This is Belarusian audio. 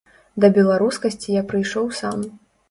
Да беларускасці я прыйшоў сам.